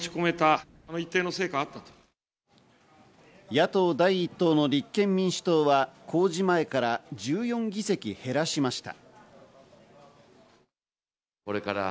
野党第一党の立憲民主党は公示前から１４議席減らしました。